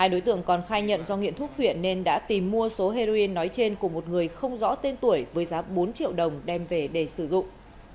hai đối tượng còn khai nhận do nghiện thuốc huyện nên đã tìm mua số heroin nói trên của một người không rõ tên tuổi với giá bốn triệu đồng đem về để sử dụng